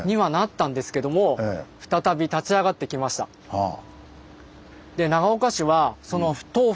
はあ。